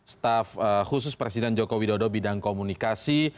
staf khusus presiden joko widodo bidang komunikasi